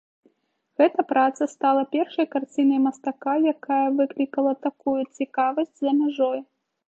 Гэта праца стала першай карцінай мастака, якая выклікала такую цікавасць за мяжой.